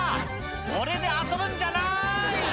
「俺で遊ぶんじゃない！」